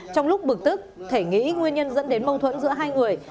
trong lúc bực tức thể nghĩ nguyên nhân dẫn đến mâu thuẫn giữa hai người